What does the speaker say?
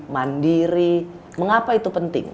mandiri mengapa itu penting